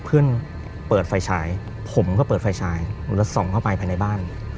เพื่อนเปิดไฟฉายผมก็เปิดไฟฉายแล้วส่องเข้าไปภายในบ้าน